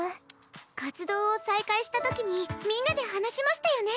活動を再開した時にみんなで話しましたよね。